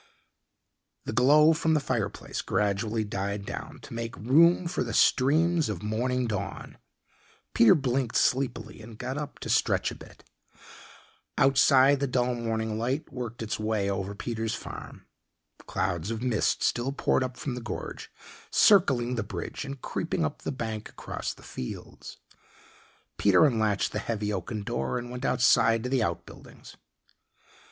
The glow from the fireplace gradually died down to make room for the streams of morning dawn. Peter blinked sleepily and got up to stretch a bit. Outside the dull morning light worked its way over Peter's farm clouds of mist still poured up from the gorge, circling the bridge and creeping up the bank across the fields. Peter unlatched the heavy oaken door and went outside to the outbuildings.